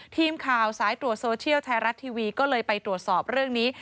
ทีมข่าวสายตรวจโซเชียลไทยรัฐทีวีก็เลยไปตรวจสอบเรื่องนี้